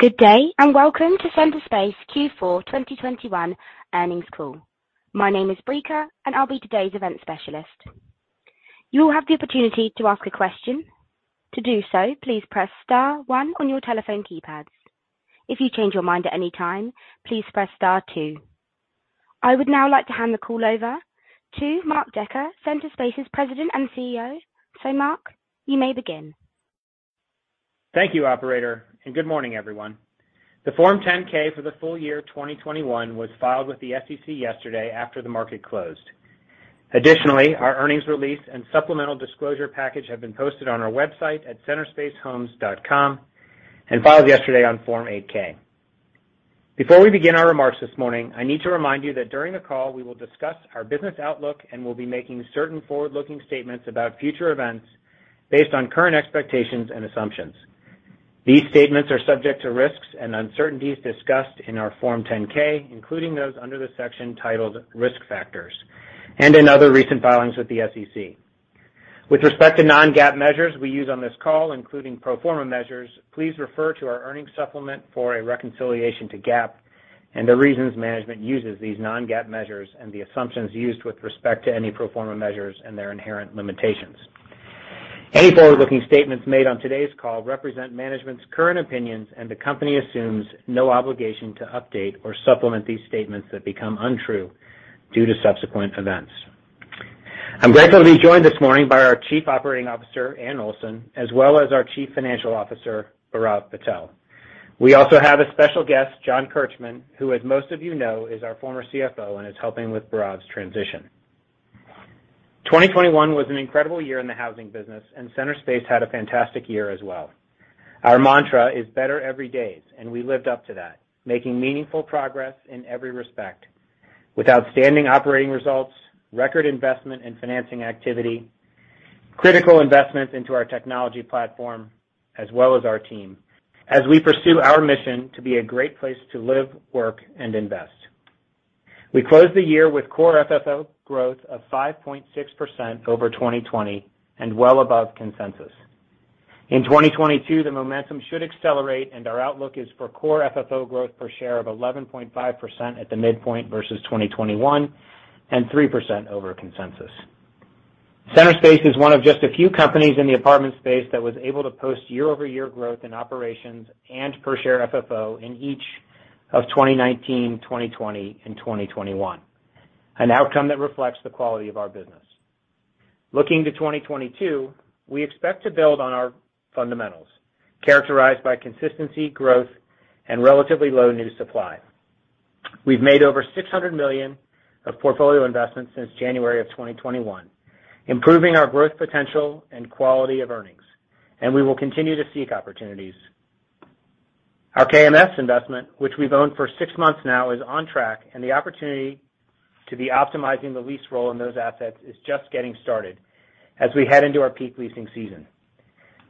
Good day, and welcome to Centerspace Q4 2021 earnings call. My name is Brica, and I'll be today's event specialist. You'll have the opportunity to ask a question. To do so, please press star one on your telephone keypads. If you change your mind at any time, please press star two. I would now like to hand the call over to Mark Decker, Centerspace's President and CEO. Mark, you may begin. Thank you, operator, and good morning, everyone. The Form 10-K for the full year 2021 was filed with the SEC yesterday after the market closed. Additionally, our earnings release and supplemental disclosure package have been posted on our website at centerspacehomes.com and filed yesterday on Form 8-K. Before we begin our remarks this morning, I need to remind you that during the call we will discuss our business outlook and will be making certain forward-looking statements about future events based on current expectations and assumptions. These statements are subject to risks and uncertainties discussed in our Form 10-K, including those under the section titled Risk Factors and in other recent filings with the SEC. With respect to non-GAAP measures we use on this call, including pro forma measures, please refer to our earnings supplement for a reconciliation to GAAP and the reasons management uses these non-GAAP measures and the assumptions used with respect to any pro forma measures and their inherent limitations. Any forward-looking statements made on today's call represent management's current opinions, and the company assumes no obligation to update or supplement these statements that become untrue due to subsequent events. I'm grateful to be joined this morning by our Chief Operating Officer, Anne Olson, as well as our Chief Financial Officer, Bhairav Patel. We also have a special guest, John Kirchmann, who as most of you know, is our former CFO and is helping with Bhairav's transition. 2021 was an incredible year in the housing business, and Centerspace had a fantastic year as well. Our mantra is better every day, and we lived up to that, making meaningful progress in every respect. With outstanding operating results, record investment and financing activity, critical investments into our technology platform, as well as our team, as we pursue our mission to be a great place to live, work, and invest. We closed the year with Core FFO growth of 5.6% over 2020 and well above consensus. In 2022, the momentum should accelerate and our outlook is for Core FFO growth per share of 11.5% at the midpoint versus 2021 and 3% over consensus. Centerspace is one of just a few companies in the apartment space that was able to post year-over-year growth in operations and per share FFO in each of 2019, 2020, and 2021, an outcome that reflects the quality of our business. Looking to 2022, we expect to build on our fundamentals, characterized by consistency, growth, and relatively low new supply. We've made over $600 million of portfolio investments since January 2021, improving our growth potential and quality of earnings, and we will continue to seek opportunities. Our KMS investment, which we've owned for 6 months now, is on track and the opportunity to be optimizing the lease roll in those assets is just getting started as we head into our peak leasing season.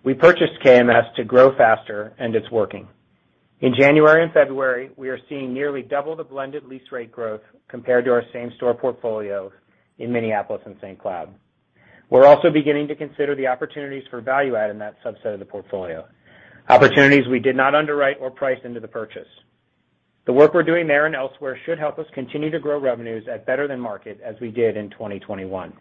We purchased KMS to grow faster and it's working. In January and February, we are seeing nearly double the blended lease rate growth compared to our same-store portfolio in Minneapolis and St. Cloud. We're also beginning to consider the opportunities for value-add in that subset of the portfolio. Opportunities we did not underwrite or price into the purchase. The work we're doing there and elsewhere should help us continue to grow revenues at better than market as we did in 2021.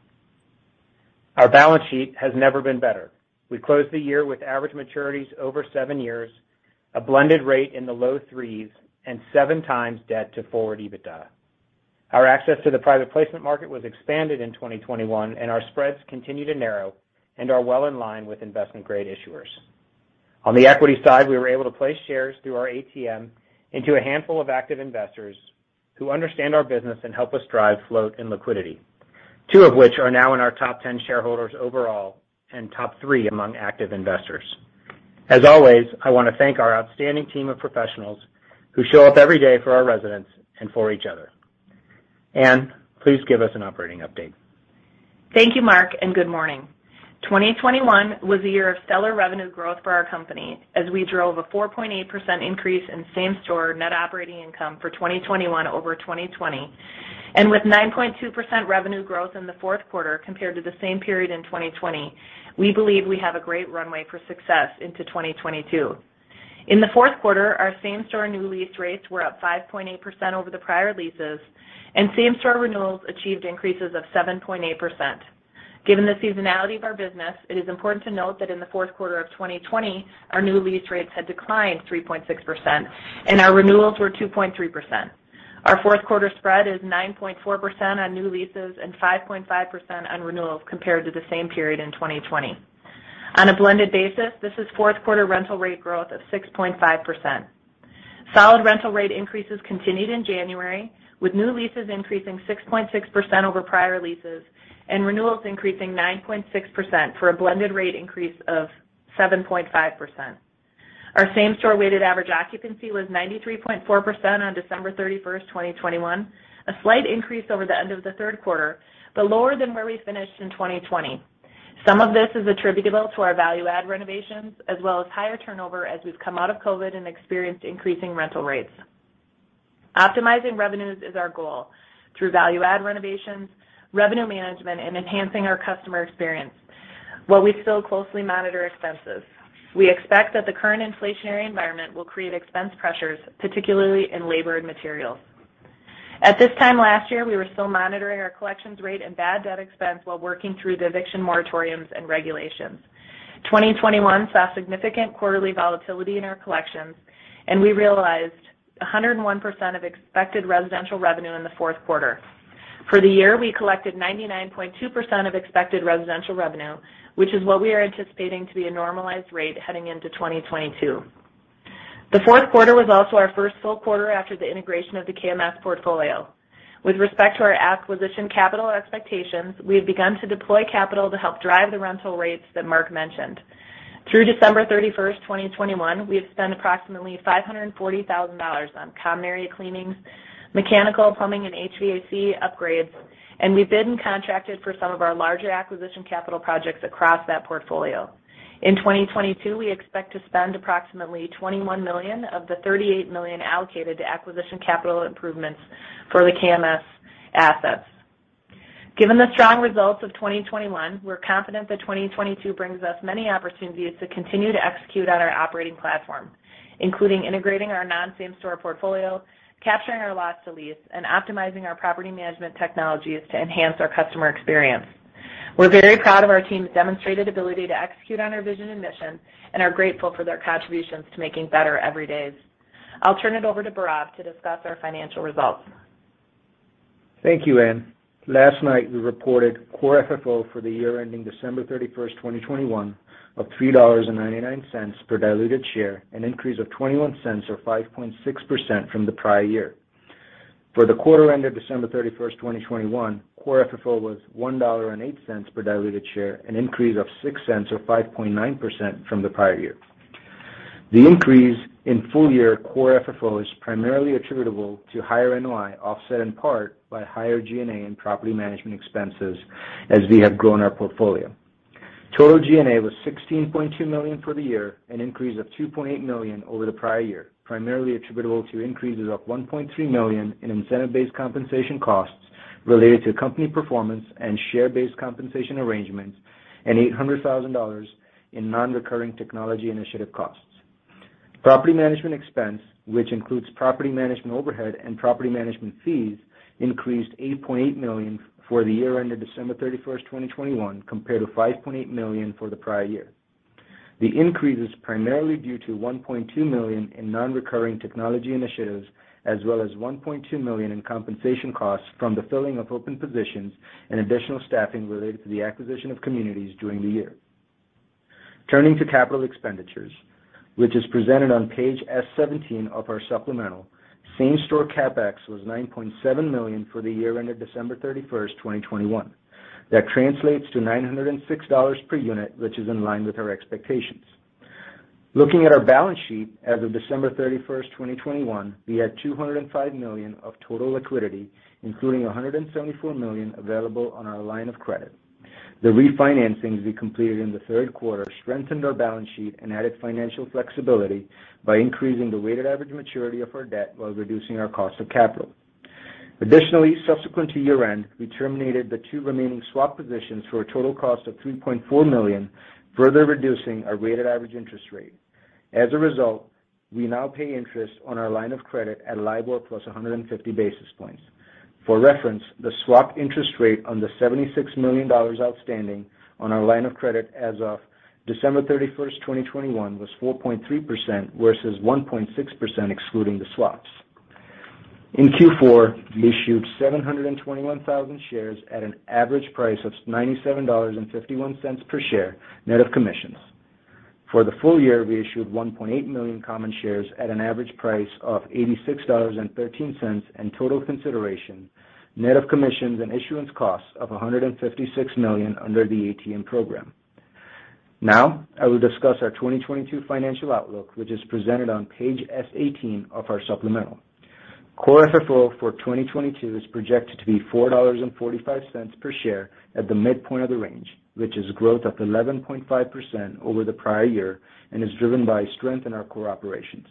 Our balance sheet has never been better. We closed the year with average maturities over seven years, a blended rate in the low three's, and 7x debt to forward EBITDA. Our access to the private placement market was expanded in 2021, and our spreads continue to narrow and are well in line with investment-grade issuers. On the equity side, we were able to place shares through our ATM into a handful of active investors who understand our business and help us drive float and liquidity. Two of which are now in our top 10 shareholders overall and top three among active investors. As always, I want to thank our outstanding team of professionals who show up every day for our residents and for each other. Anne, please give us an operating update. Thank you, Mark, and good morning. 2021 was a year of stellar revenue growth for our company as we drove a 4.8% increase in same-store net operating income for 2021 over 2020. With 9.2% revenue growth in the fourth quarter compared to the same period in 2020, we believe we have a great runway for success into 2022. In the fourth quarter, our same-store new lease rates were up 5.8% over the prior leases, and same-store renewals achieved increases of 7.8%. Given the seasonality of our business, it is important to note that in the fourth quarter of 2020, our new lease rates had declined 3.6%, and our renewals were 2.3%. Our fourth quarter spread is 9.4% on new leases and 5.5% on renewals compared to the same period in 2020. On a blended basis, this is fourth quarter rental rate growth of 6.5%. Solid rental rate increases continued in January, with new leases increasing 6.6% over prior leases and renewals increasing 9.6% for a blended rate increase of 7.5%. Our same-store weighted average occupancy was 93.4% on December 31, 2021, a slight increase over the end of the third quarter, but lower than where we finished in 2020. Some of this is attributable to our value-add renovations as well as higher turnover as we've come out of COVID and experienced increasing rental rates. Optimizing revenues is our goal through value-add renovations, revenue management, and enhancing our customer experience while we still closely monitor expenses. We expect that the current inflationary environment will create expense pressures, particularly in labor and materials. At this time last year, we were still monitoring our collections rate and bad debt expense while working through the eviction moratoriums and regulations. 2021 saw significant quarterly volatility in our collections, and we realized 101% of expected residential revenue in the fourth quarter. For the year, we collected 99.2% of expected residential revenue, which is what we are anticipating to be a normalized rate heading into 2022. The fourth quarter was also our first full quarter after the integration of the KMS portfolio. With respect to our acquisition capital expectations, we have begun to deploy capital to help drive the rental rates that Mark mentioned. Through December 31, 2021, we have spent approximately $540,000 on common area cleanings, mechanical, plumbing, and HVAC upgrades, and we've bid and contracted for some of our larger acquisition capital projects across that portfolio. In 2022, we expect to spend approximately $21 million of the $38 million allocated to acquisition capital improvements for the KMS assets. Given the strong results of 2021, we're confident that 2022 brings us many opportunities to continue to execute on our operating platform, including integrating our non-same store portfolio, capturing our loss to lease, and optimizing our property management technologies to enhance our customer experience. We're very proud of our team's demonstrated ability to execute on our vision and mission and are grateful for their contributions to making better every day. I'll turn it over to Bhairav to discuss our financial results. Thank you, Anne. Last night, we reported Core FFO for the year ending December 31, 2021 of $3.99 per diluted share, an increase of $0.21 or 5.6% from the prior year. For the quarter ended December 31, 2021, Core FFO was $1.08 per diluted share, an increase of $0.06 or 5.9% from the prior year. The increase in full year Core FFO is primarily attributable to higher NOI, offset in part by higher G&A and property management expenses as we have grown our portfolio. Total G&A was $16.2 million for the year, an increase of $2.8 million over the prior year, primarily attributable to increases of $1.3 million in incentive-based compensation costs related to company performance and share-based compensation arrangements and $800,000 in non-recurring technology initiative costs. Property management expense, which includes property management overhead and property management fees, increased $8.8 million for the year ended December 31, 2021, compared to $5.8 million for the prior year. The increase is primarily due to $1.2 million in non-recurring technology initiatives as well as $1.2 million in compensation costs from the filling of open positions and additional staffing related to the acquisition of communities during the year. Turning to capital expenditures, which is presented on page S-17 of our supplemental, same-store CapEx was $9.7 million for the year ended December 31, 2021. That translates to $906 per unit, which is in line with our expectations. Looking at our balance sheet as of December 31, 2021, we had $205 million of total liquidity, including $174 million available on our line of credit. The refinancings we completed in the third quarter strengthened our balance sheet and added financial flexibility by increasing the weighted average maturity of our debt while reducing our cost of capital. Additionally, subsequent to year-end, we terminated the two remaining swap positions for a total cost of $3.4 million, further reducing our weighted average interest rate. As a result, we now pay interest on our line of credit at LIBOR plus 150 basis points. For reference, the swap interest rate on the $76 million outstanding on our line of credit as of December 31, 2021 was 4.3% versus 1.6% excluding the swaps. In Q4, we issued 721,000 shares at an average price of $97.51 per share, net of commissions. For the full year, we issued 1.8 million common shares at an average price of $86.13 and total consideration, net of commissions and issuance costs of $156 million under the ATM program. Now, I will discuss our 2022 financial outlook, which is presented on page S-18 of our supplemental. Core FFO for 2022 is projected to be $4.45 per share at the midpoint of the range, which is growth of 11.5% over the prior year and is driven by strength in our core operations.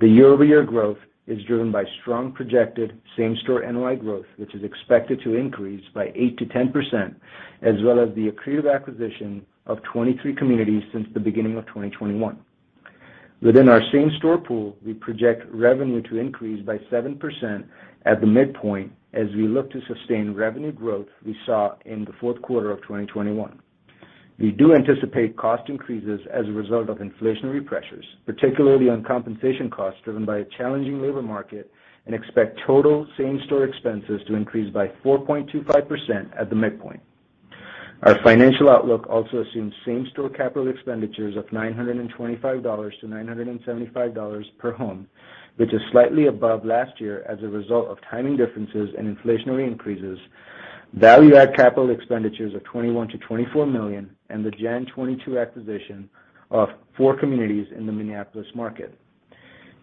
Year-over-year growth is driven by strong projected same-store NOI growth, which is expected to increase by 8%-10% as well as the accretive acquisition of 23 communities since the beginning of 2021. Within our same-store pool, we project revenue to increase by 7% at the midpoint as we look to sustain revenue growth we saw in the fourth quarter of 2021. We do anticipate cost increases as a result of inflationary pressures, particularly on compensation costs driven by a challenging labor market, and expect total same-store expenses to increase by 4.25% at the midpoint. Our financial outlook also assumes same-store capital expenditures of $925-$975 per home, which is slightly above last year as a result of timing differences and inflationary increases, value-add capital expenditures of $21 million-$24 million, and the January 2022 acquisition of four communities in the Minneapolis market.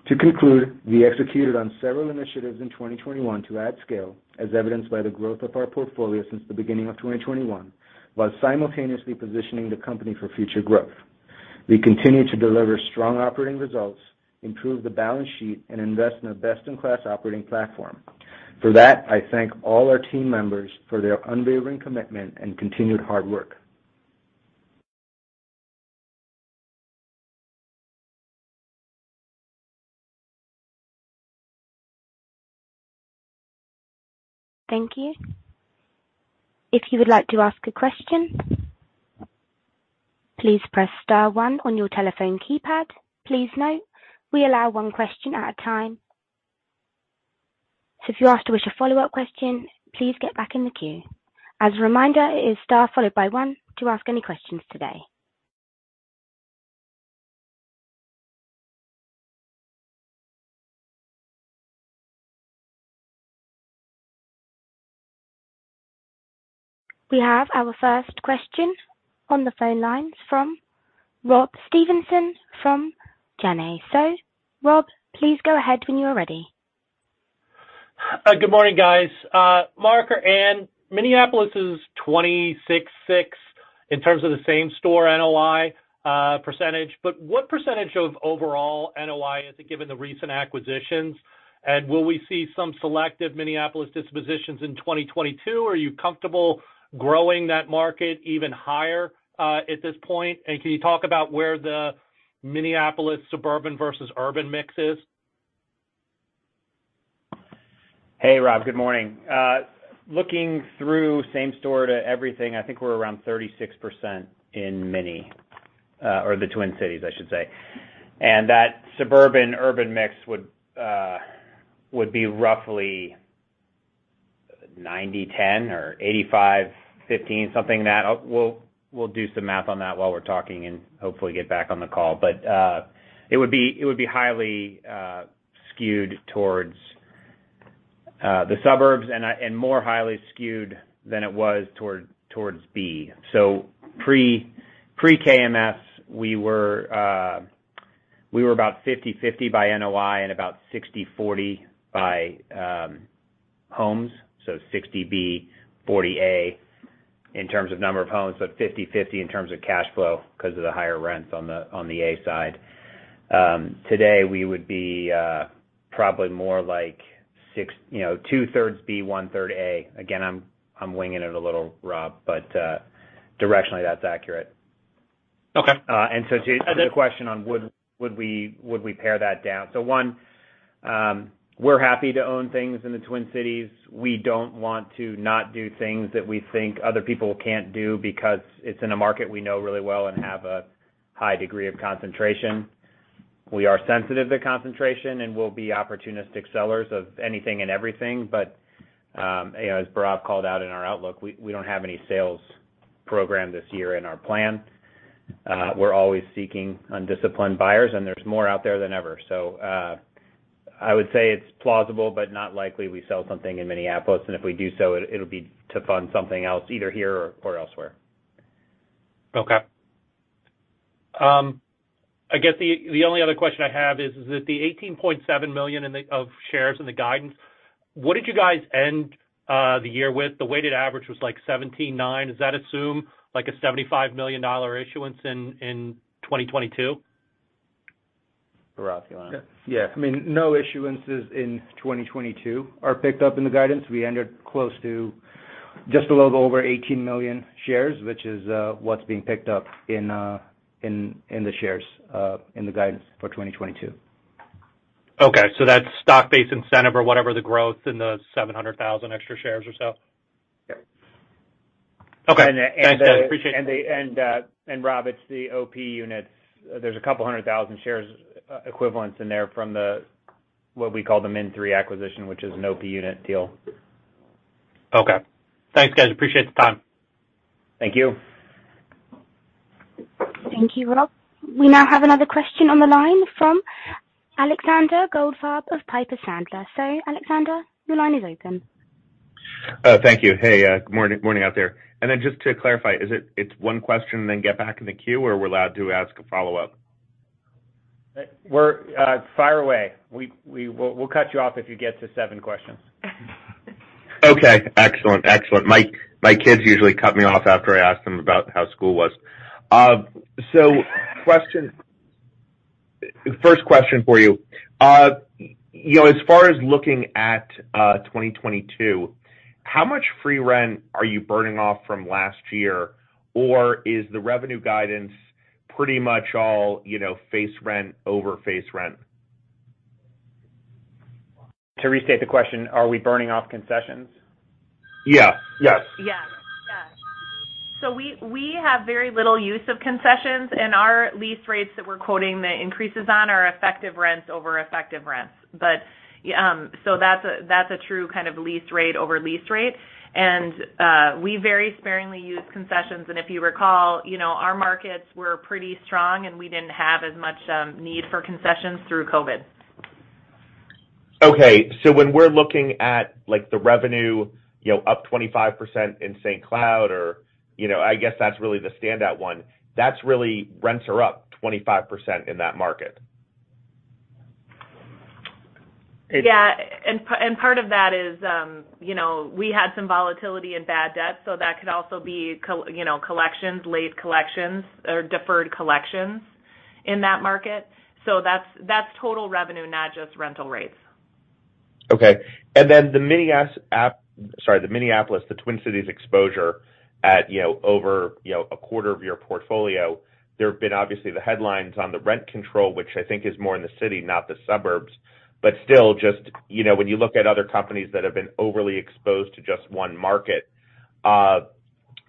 To conclude, we executed on several initiatives in 2021 to add scale as evidenced by the growth of our portfolio since the beginning of 2021 while simultaneously positioning the company for future growth. We continue to deliver strong operating results, improve the balance sheet, and invest in a best-in-class operating platform. For that, I thank all our team members for their unwavering commitment and continued hard work. Thank you. If you would like to ask a question, please press star one on your telephone keypad. Please note we allow one question at a time. If you wish to ask a follow-up question, please get back in the queue. As a reminder, it is star followed by one to ask any questions today. We have our first question on the phone lines from Rob Stevenson from Janney. Rob, please go ahead when you are ready. Good morning, guys. Mark and Anne, Minneapolis is 26.6% in terms of the same-store NOI percentage. What percentage of overall NOI is it given the recent acquisitions? Will we see some selective Minneapolis dispositions in 2022? Are you comfortable growing that market even higher at this point? Can you talk about where the Minneapolis suburban versus urban mix is? Hey, Rob. Good morning. Looking through same store to everything, I think we're around 36% in Minne, or the Twin Cities, I should say. That suburban-urban mix would be roughly 90-10 or 85-15, something like that. We'll do some math on that while we're talking and hopefully get back on the call. It would be highly skewed towards the suburbs and more highly skewed than it was towards B. Pre-KMS, we were about 50-50 by NOI and about 60-40 by homes. 60 B, 40 A in terms of number of homes, but 50-50 in terms of cash flow because of the higher rents on the A side. Today we would be probably more like 2/3 B, 1/3 A. Again, I'm winging it a little, Rob, but directionally, that's accurate. Okay. Uh, and so to- And then- The question is, would we pare that down? One, we're happy to own things in the Twin Cities. We don't want to not do things that we think other people can't do because it's in a market we know really well and have a high degree of concentration. We are sensitive to concentration, and we'll be opportunistic sellers of anything and everything. You know, as Bhairav called out in our outlook, we don't have any sales program this year in our plan. We're always seeking undisciplined buyers, and there's more out there than ever. I would say it's plausible, but not likely we sell something in Minneapolis, and if we do so, it'll be to fund something else, either here or elsewhere. Okay. I guess the only other question I have is that the 18.7 million of shares in the guidance, what did you guys end the year with? The weighted average was like 17.9. Does that assume like a $75 million issuance in 2022? Bhairav, do you wanna? Yeah. I mean, no issuances in 2022 are picked up in the guidance. We ended close to just a little over 18 million shares, which is what's being picked up in the shares in the guidance for 2022. Okay. That's stock-based incentive or whatever the growth in the 700,000 extra shares or so? Yep. Okay. Thanks, guys. Appreciate it. Rob, it's the OP Units. There's 200,000 shares equivalence in there from what we call the Minne 3 acquisition, which is an OP Units deal. Okay. Thanks, guys. Appreciate the time. Thank you. Thank you, Rob. We now have another question on the line from Alexander Goldfarb of Piper Sandler. Alexander, your line is open. Thank you. Hey, good morning out there. Just to clarify, is it one question then get back in the queue, or we're allowed to ask a follow-up? Fire away. We'll cut you off if you get to seven questions. Okay, excellent. My kids usually cut me off after I ask them about how school was. Question. First question for you. You know, as far as looking at 2022, how much free rent are you burning off from last year? Or is the revenue guidance pretty much all, you know, face rent over face rent? To restate the question, are we burning off concessions? Yes. Yes. Yes. We have very little use of concessions, and our lease rates that we're quoting the increases on are effective rents over effective rents. That's a true kind of lease rate over lease rate. We very sparingly use concessions. If you recall, you know, our markets were pretty strong, and we didn't have as much need for concessions through COVID. Okay. When we're looking at, like, the revenue, you know, up 25% in St. Cloud or, you know, I guess that's really the standout one. That's really rents are up 25% in that market. Yeah. Part of that is, you know, we had some volatility in bad debt, so that could also be, you know, collections, late collections or deferred collections in that market. That's total revenue, not just rental rates. Okay. The Minneapolis, the Twin Cities exposure at, you know, over, you know, a quarter of your portfolio, there have been obviously the headlines on the rent control, which I think is more in the city, not the suburbs. But still, just, you know, when you look at other companies that have been overly exposed to just one market,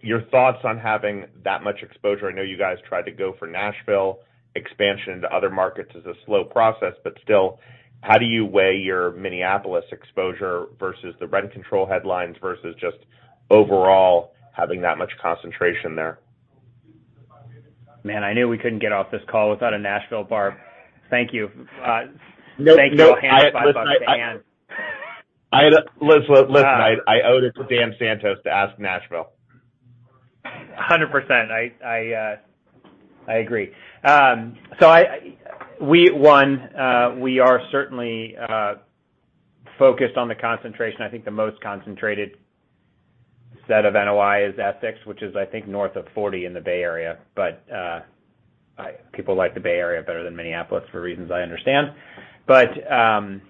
your thoughts on having that much exposure. I know you guys tried to go for Nashville expansion to other markets is a slow process, but still, how do you weigh your Minneapolis exposure versus the rent control headlines versus just overall having that much concentration there? Man, I knew we couldn't get off this call without a Nashville barb. Thank you. No, no. Thank you, a hand clap by hand. Listen. I owe this to Daniel Santos to ask Nashville. 100%. I agree. We are certainly focused on the concentration. I think the most concentrated set of NOI is Essex, which is, I think, north of 40 in the Bay Area. People like the Bay Area better than Minneapolis for reasons I understand. I'd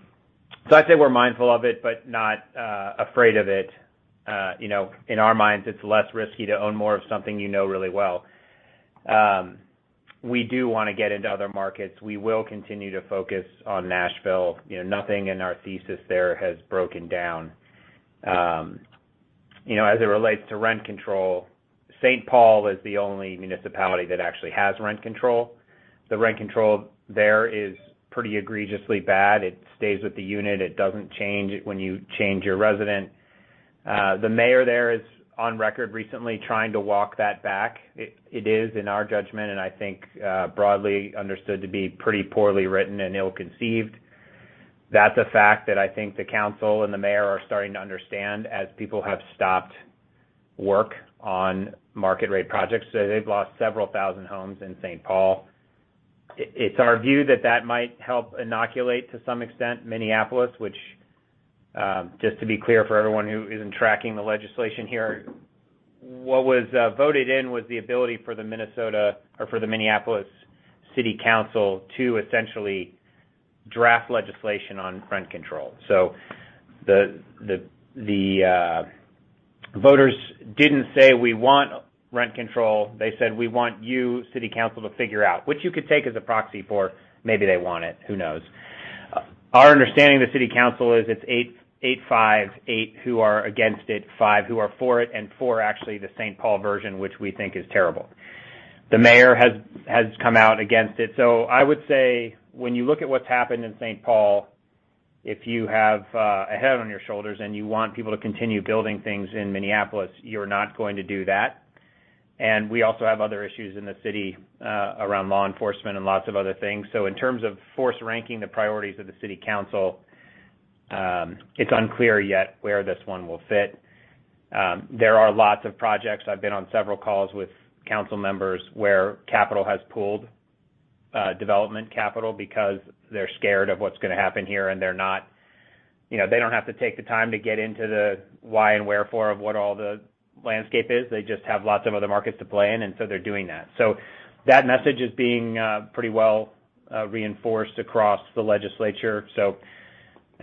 say we're mindful of it, but not afraid of it. You know, in our minds, it's less risky to own more of something you know really well. We do wanna get into other markets. We will continue to focus on Nashville. You know, nothing in our thesis there has broken down. You know, as it relates to rent control, St. Paul is the only municipality that actually has rent control. The rent control there is pretty egregiously bad. It stays with the unit. It doesn't change when you change your resident. The mayor there is on record recently trying to walk that back. It is, in our judgment, and I think, broadly understood to be pretty poorly written and ill-conceived. That's a fact that I think the council and the mayor are starting to understand as people have stopped work on market-rate projects. They've lost several thousand homes in St. Paul. It's our view that that might help inoculate, to some extent, Minneapolis, which just to be clear, for everyone who isn't tracking the legislation here, what was voted in was the ability for the Minnesota, or for the Minneapolis City Council to essentially draft legislation on rent control. Voters didn't say, "We want rent control." They said, "We want you, Minneapolis City Council, to figure out," which you could take as a proxy for maybe they want it. Who knows? Our understanding of the Minneapolis City Council is it's eight against it, five who are for it, and four actually the St. Paul version, which we think is terrible. The mayor has come out against it. I would say when you look at what's happened in St. Paul, if you have a head on your shoulders and you want people to continue building things in Minneapolis, you're not going to do that. We also have other issues in the city around law enforcement and lots of other things. In terms of force ranking the priorities of the city council, it's unclear yet where this one will fit. There are lots of projects. I've been on several calls with council members where capital has pooled development capital because they're scared of what's gonna happen here. You know, they don't have to take the time to get into the why and wherefore of what all the landscape is. They just have lots of other markets to play in, and so they're doing that. That message is being pretty well reinforced across the legislature. You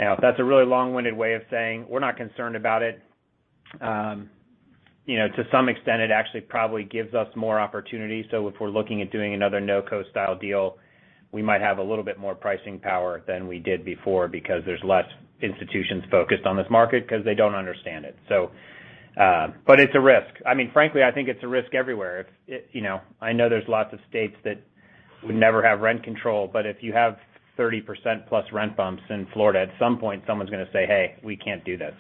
know, that's a really long-winded way of saying we're not concerned about it. You know, to some extent, it actually probably gives us more opportunities. If we're looking at doing another NoCo-style deal, we might have a little bit more pricing power than we did before because there's less institutions focused on this market 'cause they don't understand it. It's a risk. I mean, frankly, I think it's a risk everywhere. You know, I know there's lots of states that would never have rent control, but if you have 30% plus rent bumps in Florida, at some point, someone's gonna say, "Hey, we can't do this."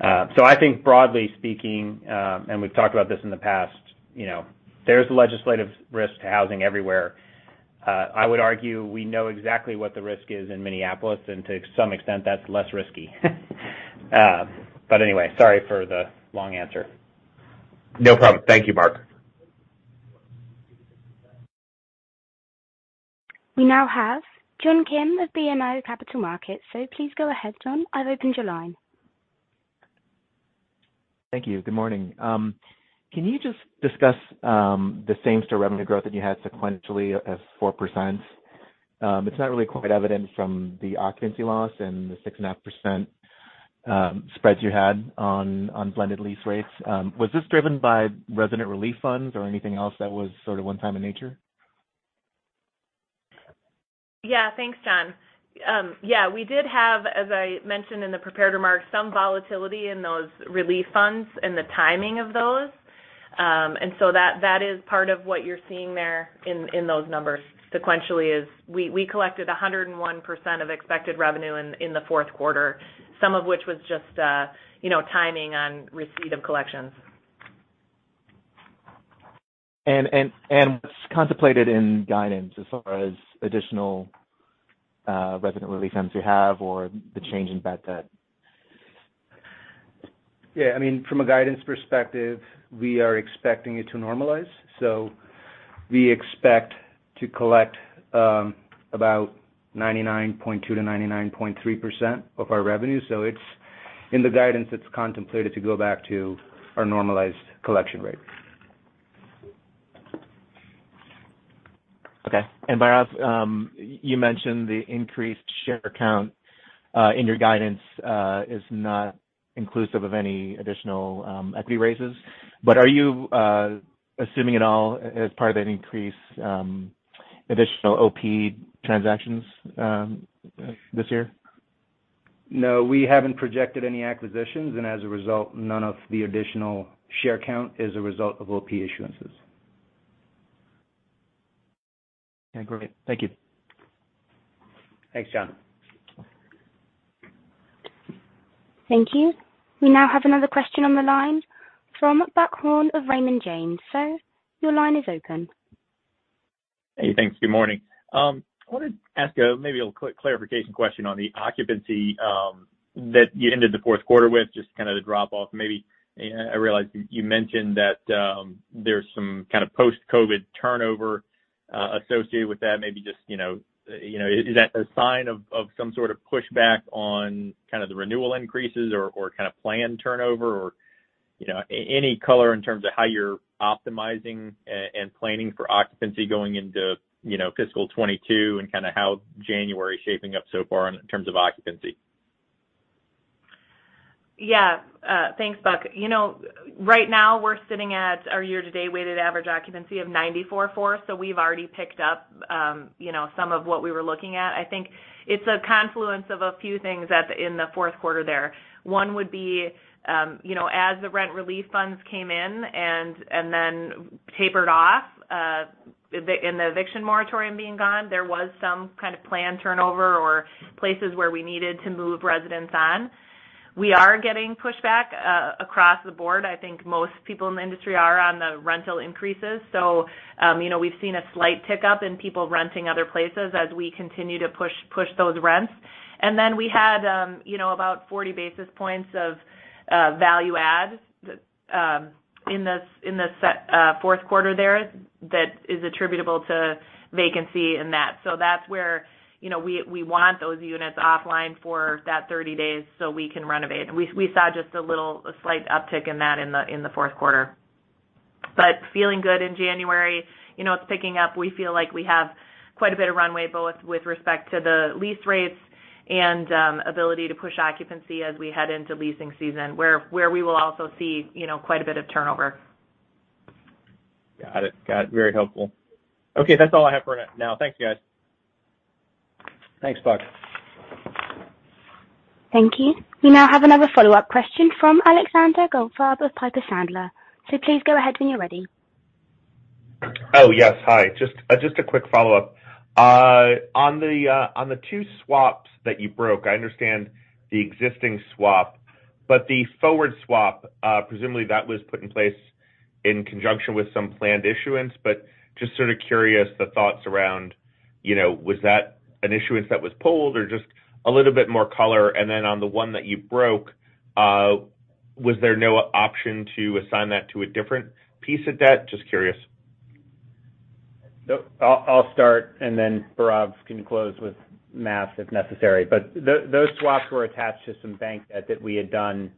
I think broadly speaking, and we've talked about this in the past, you know, there's legislative risk to housing everywhere. I would argue we know exactly what the risk is in Minneapolis, and to some extent, that's less risky. Anyway, sorry for the long answer. No problem. Thank you, Mark. We now have John Kim of BMO Capital Markets. Please go ahead, John. I've opened your line. Thank you. Good morning. Can you just discuss the same store revenue growth that you had sequentially of 4%? It's not really quite evident from the occupancy loss and the 6.5% spreads you had on blended lease rates. Was this driven by resident relief funds or anything else that was sort of one-time in nature? Yeah. Thanks, John. Yeah, we did have, as I mentioned in the prepared remarks, some volatility in those relief funds and the timing of those. That is part of what you're seeing there in those numbers sequentially is we collected 101% of expected revenue in the fourth quarter, some of which was just, you know, timing on receipt of collections. What's contemplated in guidance as far as additional resident relief funds you have or the change in bad debt? Yeah, I mean, from a guidance perspective, we are expecting it to normalize. We expect to collect about 99.2%-99.3% of our revenue. It's in the guidance that's contemplated to go back to our normalized collection rate. Okay. Bhairav, you mentioned the increased share count in your guidance is not inclusive of any additional equity raises. But are you assuming at all as part of that increase additional OP transactions this year? No, we haven't projected any acquisitions, and as a result, none of the additional share count is a result of OP issuances. Okay, great. Thank you. Thanks, John. Thank you. We now have another question on the line from Buck Horne of Raymond James. Sir, your line is open. Hey, thanks. Good morning. I wanted to ask a quick clarification question on the occupancy that you ended the fourth quarter with, just kind of the drop off, maybe. I realize you mentioned that there's some kind of post-COVID turnover associated with that. Maybe just, you know, is that a sign of some sort of pushback on kind of the renewal increases or kind of planned turnover or, you know, any color in terms of how you're optimizing and planning for occupancy going into, you know, fiscal 2022 and kinda how January is shaping up so far in terms of occupancy? Yeah. Thanks, Buck. You know, right now we're sitting at our year-to-date weighted average occupancy of 94.4%, so we've already picked up, you know, some of what we were looking at. I think it's a confluence of a few things in the fourth quarter there. One would be, you know, as the rent relief funds came in and then tapered off, and the eviction moratorium being gone, there was some kind of planned turnover or places where we needed to move residents on. We are getting pushback across the board. I think most people in the industry are on the rental increases. You know, we've seen a slight tick-up in people renting other places as we continue to push those rents. We had, you know, about 40 basis points of value-add in the fourth quarter there that is attributable to vacancy in that. That's where, you know, we want those units offline for that 30 days so we can renovate. We saw just a little, a slight uptick in that in the fourth quarter. Feeling good in January, you know, it's picking up. We feel like we have quite a bit of runway, both with respect to the lease rates and ability to push occupancy as we head into leasing season, where we will also see, you know, quite a bit of turnover. Got it. Very helpful. Okay, that's all I have for now. Thanks, guys. Thanks, Buck. Thank you. We now have another follow-up question from Alexander Goldfarb of Piper Sandler. Please go ahead when you're ready. Oh, yes. Hi. Just a quick follow-up. On the two swaps that you broke, I understand the existing swap, but the forward swap, presumably that was put in place in conjunction with some planned issuance. Just sort of curious, the thoughts around, you know, was that an issuance that was pulled or just a little bit more color? And then on the one that you broke, was there no option to assign that to a different piece of debt? Just curious. No, I'll start, and then Bhairav can close with math if necessary. Those swaps were attached to some bank debt that we had done,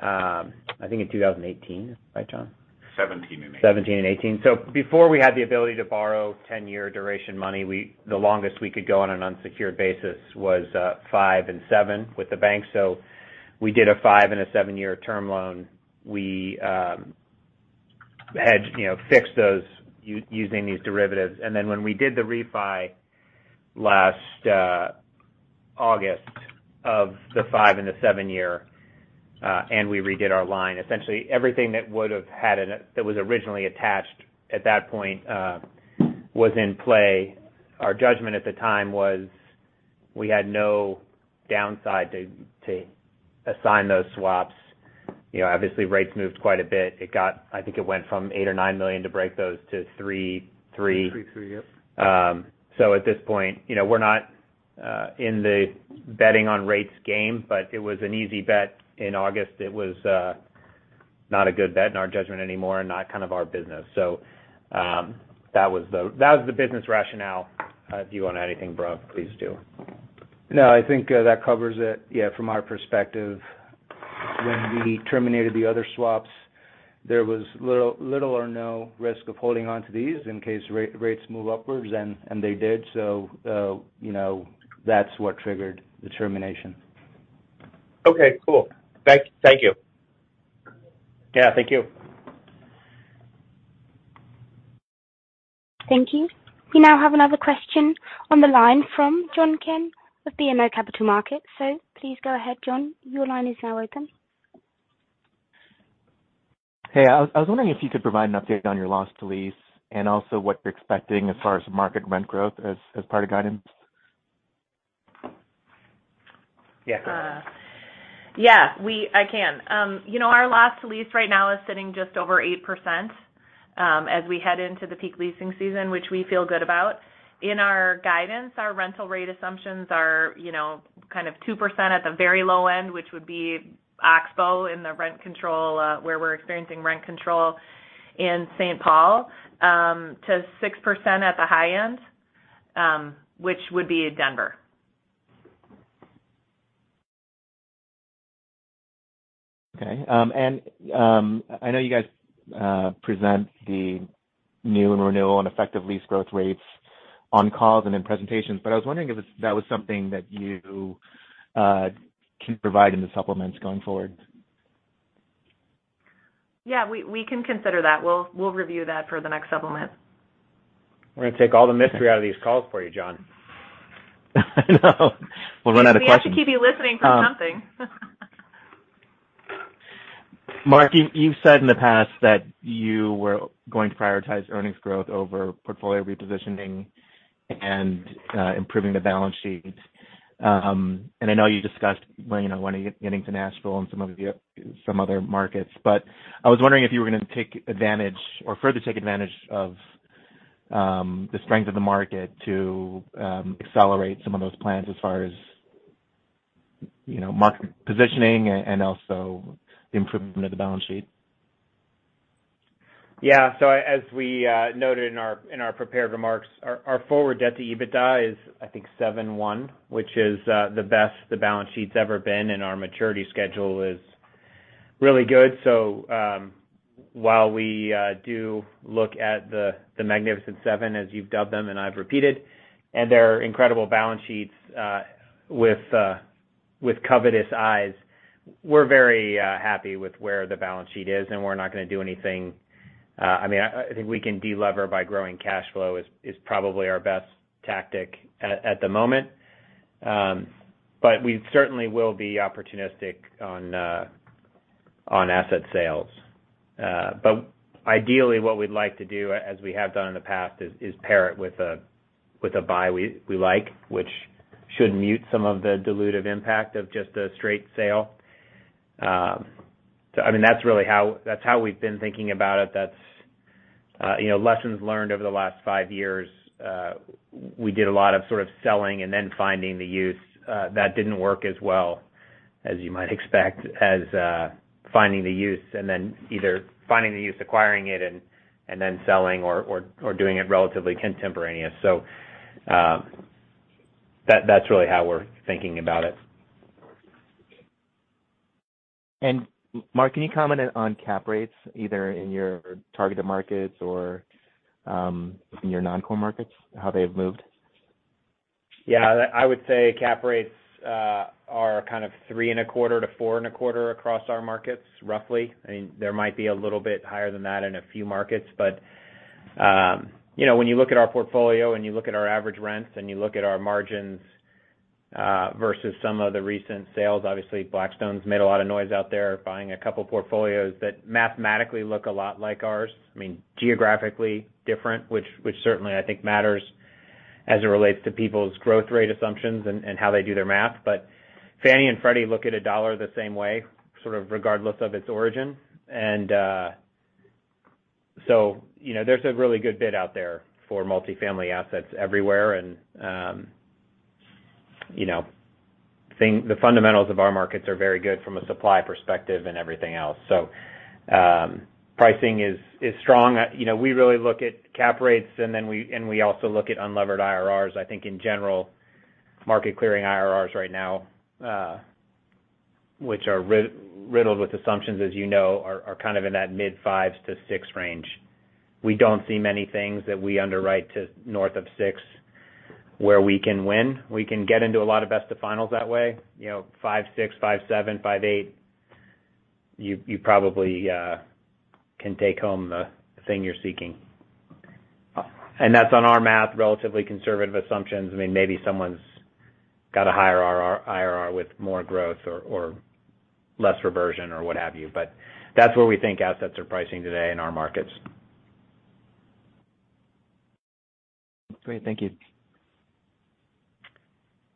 I think in 2018. Right, John? 17 and 18. 17 and 18. Before we had the ability to borrow 10-year duration money, the longest we could go on an unsecured basis was five and seven with the bank. We did a five and seven-year term loan. We had, you know, fixed those using these derivatives. Then when we did the refi last August of the five and seven-year, and we redid our line, essentially everything that would have had an that was originally attached at that point was in play. Our judgment at the time was, we had no downside to assign those swaps. You know, obviously rates moved quite a bit. It got. I think it went from $8 or $9 million to break those to $3.3. Three, yep. At this point, you know, we're not in the betting on rates game, but it was an easy bet in August. It was not a good bet in our judgment anymore and not kind of our business. That was the business rationale. If you want to add anything, Bhairav, please do. No, I think that covers it. Yeah, from our perspective, when we terminated the other swaps, there was little or no risk of holding onto these in case rates move upwards. They did. You know, that's what triggered the termination. Okay, cool. Thank you. Yeah, thank you. Thank you. We now have another question on the line from John Kim of BMO Capital Markets. Please go ahead, John. Your line is now open. Hey, I was wondering if you could provide an update on your loss to lease and also what you're expecting as far as market rent growth as part of guidance? Yeah, I can. You know, our loss to lease right now is sitting just over 8%. As we head into the peak leasing season, which we feel good about. In our guidance, our rental rate assumptions are, you know, kind of 2% at the very low end, which would be Oxbow in the rent control, where we're experiencing rent control in St. Paul, to 6% at the high end, which would be Denver. Okay. I know you guys present the new and renewal and effective lease growth rates on calls and in presentations, but I was wondering if that was something that you can provide in the supplements going forward. Yeah, we can consider that. We'll review that for the next supplement. We're gonna take all the mystery out of these calls for you, John. I know. We'll run out of questions. We have to keep you listening for something. Mark, you've said in the past that you were going to prioritize earnings growth over portfolio repositioning and improving the balance sheet. I know you discussed getting to Nashville and some other markets. I was wondering if you were gonna take advantage or further take advantage of the strength of the market to accelerate some of those plans as far as, you know, market positioning and also the improvement of the balance sheet. Yeah. As we noted in our prepared remarks, our forward debt to EBITDA is, I think, 7.1, which is the best the balance sheet's ever been, and our maturity schedule is really good. While we do look at the Magnificent 7, as you've dubbed them, and I've repeated, and their incredible balance sheets with covetous eyes, we're very happy with where the balance sheet is, and we're not gonna do anything. I mean, I think we can de-lever by growing cash flow is probably our best tactic at the moment. We certainly will be opportunistic on asset sales. Ideally, what we'd like to do, as we have done in the past, is pair it with a buy we like, which should mute some of the dilutive impact of just a straight sale. I mean, that's really how we've been thinking about it. That's, you know, lessons learned over the last five years. We did a lot of sort of selling and then finding the use that didn't work as well as you might expect, as finding the use and then either acquiring it and then selling or doing it relatively contemporaneous. That's really how we're thinking about it. Mark, can you comment on cap rates either in your targeted markets or in your non-core markets, how they've moved? Yeah. I would say cap rates are kind of 3.25%-4.25% across our markets, roughly. I mean, there might be a little bit higher than that in a few markets. You know, when you look at our portfolio and you look at our average rents and you look at our margins versus some of the recent sales. Obviously, Blackstone's made a lot of noise out there buying a couple of portfolios that mathematically look a lot like ours. I mean, geographically different, which certainly I think matters as it relates to people's growth rate assumptions and how they do their math. Fannie and Freddie look at a dollar the same way, sort of regardless of its origin. You know, there's a really good bid out there for multifamily assets everywhere. The fundamentals of our markets are very good from a supply perspective and everything else. Pricing is strong. You know, we really look at cap rates, and then we also look at unlevered IRRs. I think in general, market clearing IRRs right now, which are riddled with assumptions, as you know, are kind of in that mid-fives to six range. We don't see many things that we underwrite to north of six, where we can win. We can get into a lot of best of finals that way. You know, 5.6, 5.7, 5.8, you probably can take home the thing you're seeking. That's on our math, relatively conservative assumptions. I mean, maybe someone's got a higher IRR with more growth or less reversion or what have you. That's where we think assets are pricing today in our markets. Great. Thank you.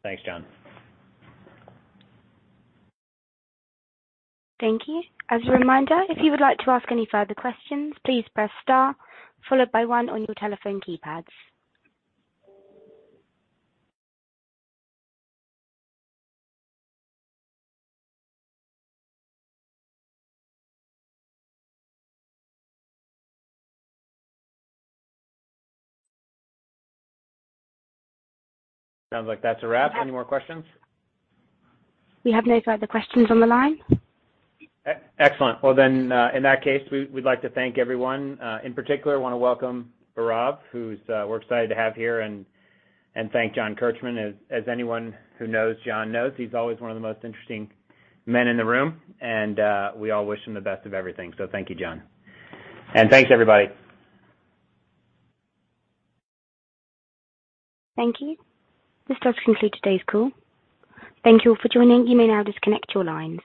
Thanks, John. Thank you. As a reminder, if you would like to ask any further questions, please press star followed by one on your telephone keypads. Sounds like that's a wrap. Any more questions? We have no further questions on the line. Excellent. Well, then, in that case, we'd like to thank everyone. In particular, I wanna welcome Bhairav, who's we're excited to have here and thank John Kirchmann. As anyone who knows John knows, he's always one of the most interesting men in the room, and we all wish him the best of everything. Thank you, John. Thanks, everybody. Thank you. This does conclude today's call. Thank you all for joining. You may now disconnect your lines.